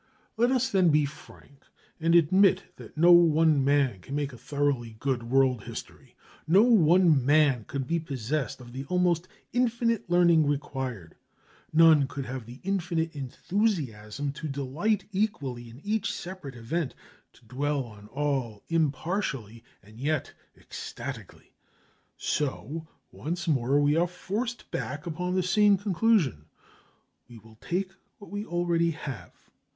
Let us then be frank and admit that no one man can make a thoroughly good world history. No one man could be possessed of the almost infinite learning required; none could have the infinite enthusiasm to delight equally in each separate event, to dwell on all impartially and yet ecstatically. So once more we are forced back upon the same conclusion. We will take what we already have.